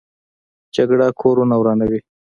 جګړه کورونه ورانوي